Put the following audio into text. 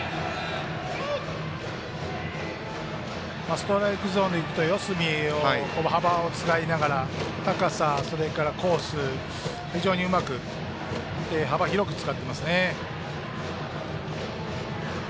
ストライクゾーンで行くと四隅の幅を使いながら高さ、コース、非常にうまく幅広く使っていますね。